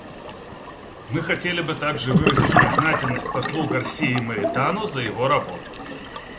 Мы хотели бы также выразить признательность послу Гарсие Моритану за его работу.